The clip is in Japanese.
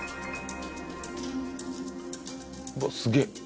うわっすげえ。